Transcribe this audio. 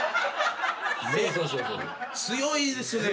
強いですね。